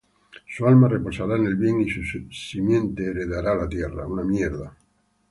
Su alma reposará en el bien, Y su simiente heredará la tierra.